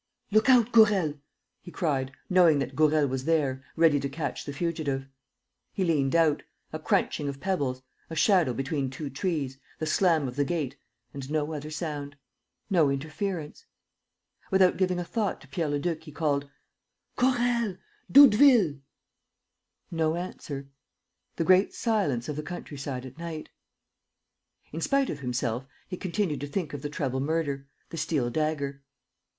"Look out, Gourel!" he cried, knowing that Gourel was there, ready to catch the fugitive. He leant out. A crunching of pebbles ... a shadow between two trees, the slam of the gate. ... And no other sound ... no interference. ... Without giving a thought to Pierre Leduc, he called: "Gourel! ... Doudeville!" No answer. The great silence of the countryside at night. ... In spite of himself, he continued to think of the treble murder, the steel dagger.